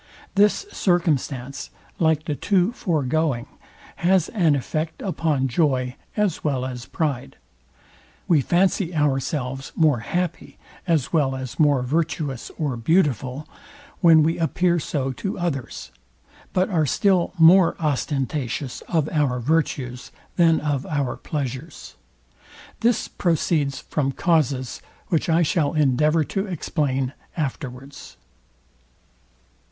This circumstance, like the two foregoing, has an effect upon joy, as well as pride. We fancy Ourselves more happy, as well as more virtuous or beautiful, when we appear so to others; but are still more ostentatious of our virtues than of our pleasures. This proceeds from causes, which I shall endeavour to explain afterwards.